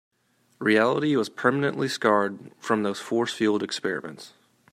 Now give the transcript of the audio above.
Reality was permanently scarred from those force field experiments.